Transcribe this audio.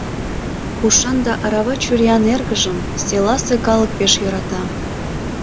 Ушан да арава чуриян эргыжым селасе калык пеш йӧрата.